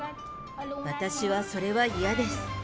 私はそれは嫌です。